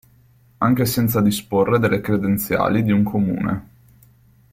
Anche senza disporre delle credenziali di un comune.